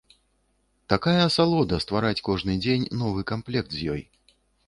Такая асалода ствараць кожны дзень новы камплект з ёй.